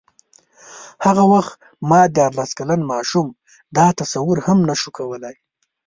هغه وخت ما دیارلس کلن ماشوم دا تصور هم نه شو کولای.